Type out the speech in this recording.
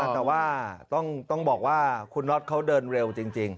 แต่ว่าต้องบอกว่าคุณน็อตเขาเดินเร็วจริง